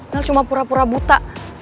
kan cuma pura pura buta